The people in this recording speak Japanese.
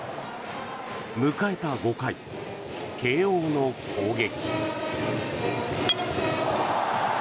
迎えた５回慶応の攻撃。